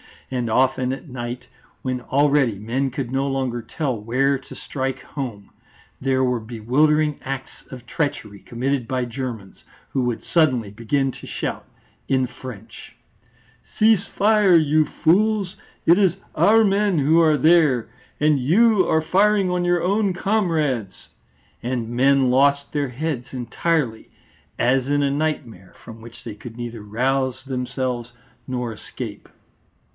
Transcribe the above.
And often at night, when already men could no longer tell where to strike home, there were bewildering acts of treachery committed by Germans, who would suddenly begin to shout in French: "Cease fire, you fools! It is our men who are there and you are firing on your own comrades." And men lost their heads entirely, as in a nightmare, from which they could neither rouse themselves nor escape.